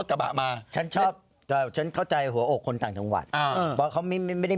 แต่ถ้าเราไปห้ามคนนักเนี่ยไม่ได้